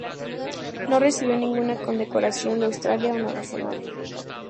No recibió ninguna condecoración de Australia o Nueva Zelanda.